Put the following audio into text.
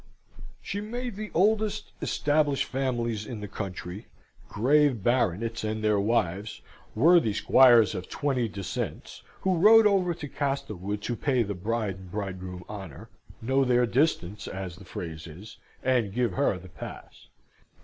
She made the oldest established families in the country grave baronets and their wives worthy squires of twenty descents, who rode over to Castlewood to pay the bride and bridegroom honour know their distance, as the phrase is, and give her the pas.